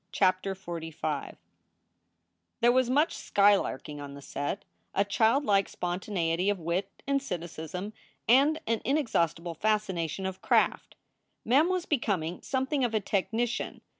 CHAPTER XLV THERE was much skylarking on the set a childlike spontaneity of wit and cynicism and an inexhaustible fascination of craft. Mem was becoming something of a technician.